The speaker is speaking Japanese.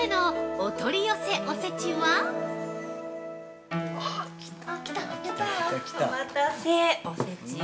◆お待たせ、おせちよ。